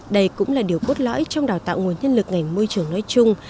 đây cũng là điều cốt lõi trong đào tạo nguồn nhân lực ngành môi trường nói chung